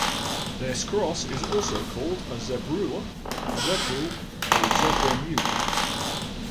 This cross is also called a zebrula, zebrule, or zebra mule.